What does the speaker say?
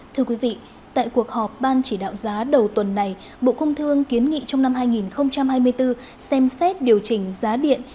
thưa quý vị tại cuộc họp ban chỉ đạo giá đầu tuần này bộ công thương kiến nghị trong năm hai nghìn hai mươi bốn xem xét điều chỉnh giá điện